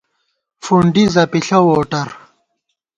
فُنڈی زَپِݪہ ووٹَر